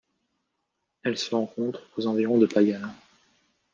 Elle se rencontre aux environs de Pagala.